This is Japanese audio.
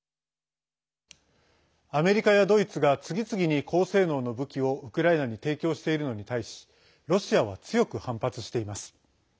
アメリカやドイツが次々に高性能の武器をウクライナに提供しているのに対しロシアは強く反発しています。